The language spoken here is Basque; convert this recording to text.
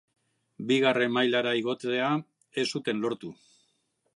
Bigarren mailara igotzea ez zuten lortu.